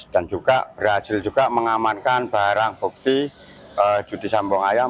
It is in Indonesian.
dan juga berhasil juga mengamankan barang bukti judi sabung ayam